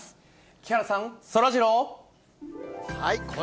木原さん、そらジロー。